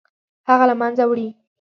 هغه له منځه وړي.